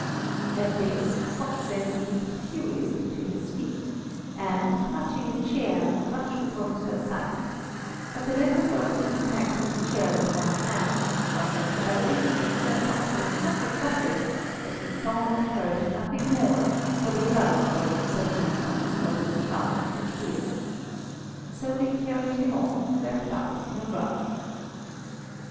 At this, Saksin leaped furiously to his feet, and clutching a chair, rushed upon Sir Simon; but the latter broke the impact of the chair with one hand, while with the other he gave Sir Saksin such a buffet that he saw and heard nothing more, for the blood burst suddenly from his nose, mouth, and ears. So they carried him off wrapped up in a rug.